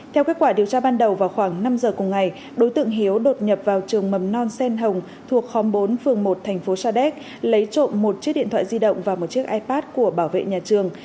theo kết quả điều tra ban đầu vào khoảng năm h cùng ngày đối tượng hiếu đột nhập vào trường mầm non sen hồng thuộc khóm bốn phường một tp sadec lấy trộn một chiếc điện thoại di động và một chiếc ipad của bảo vệ nhà trường